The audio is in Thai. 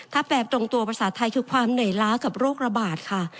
ถ้าแปลตรงตัวภาษาไทยคือความเหนื่อยล้ากับโรคระบาดค่ะ